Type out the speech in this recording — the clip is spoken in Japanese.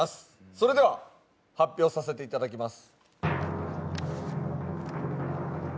それでは発表させていだきます。